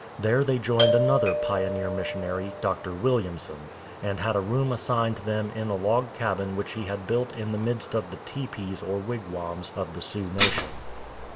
There they joined another pioneer missionary, Dr. Williamson, and had a room assigned them in a log cabin which he had built in the midst of the teepees or wigwams of the Sioux nation.